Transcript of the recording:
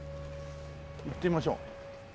行ってみましょう。